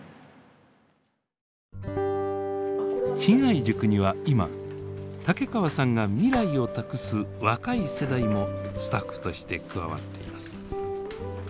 信愛塾には今竹川さんが未来を託す若い世代もスタッフとして加わっています。